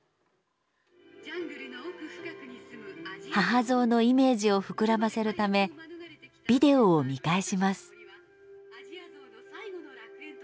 母ゾウのイメージを膨らませるためビデオを見返します。